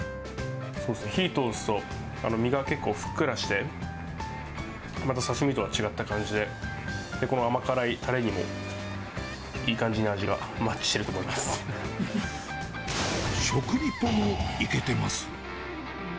火通すと、身が結構ふっくらして、また刺身とは違った感じで、この甘辛いたれにもいい感じに味食リポもいけてます。